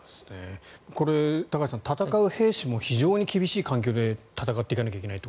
これ、高橋さん戦う兵士も非常に厳しい環境で戦っていかなきゃいけないと。